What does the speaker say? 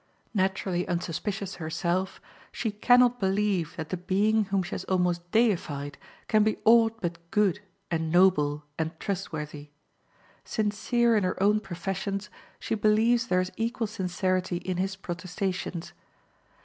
Naturally unsuspicious herself, she can not believe that the being whom she has almost deified can be aught but good, and noble, and trustworthy. Sincere in her own professions, she believes there is equal sincerity in his protestations.